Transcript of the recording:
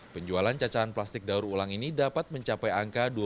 penjualan cacahan plastik di gbk ini bisa mencapai rp lima hingga rp tujuh per kilogram